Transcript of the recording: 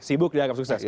sibuk dianggap sukses